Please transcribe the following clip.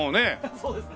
そうですね。